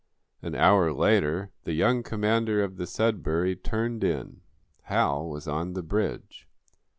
An hour later the young commander of the "Sudbury" turned in. Hal was on the bridge.